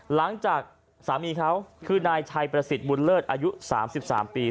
หลังจากสามีเขาคือนายชัยประสิทธิ์บุญเลิศอายุ๓๓ปี